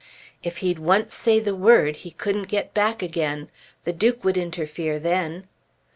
"If he'd once say the word he couldn't get back again. The Duke would interfere then."